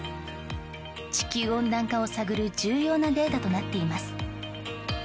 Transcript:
地球温暖化を探る重要なデータとなっています。